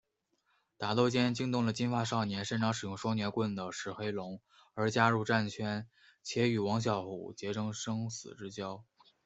打斗间惊动了金发少年擅长使用双节棍的石黑龙而加入战圈且与王小虎结成生死之交。